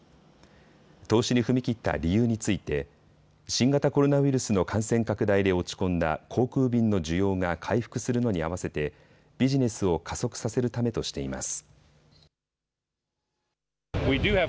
投資に踏み切った理由について新型コロナウイルスの感染拡大で落ち込んだ航空便の需要が回復するのにあわせてビジネスを加速させるためとしています。